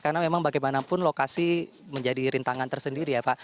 karena memang bagaimanapun lokasi menjadi rintangan tersendiri ya pak